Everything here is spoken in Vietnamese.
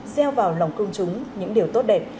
gieo vào lòng công chúng những điều tốt đẹp